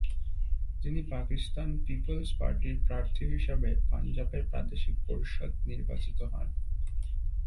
তিনি পাকিস্তান পিপলস পার্টির প্রার্থী হিসেবে পাঞ্জাবের প্রাদেশিক পরিষদ নির্বাচিত হন।